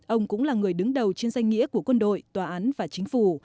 ông cũng là người đứng đầu trên danh nghĩa của quân đội tòa án và chính phủ